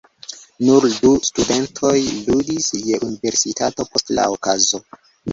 Nur du studentoj studis je universitato post la okazo.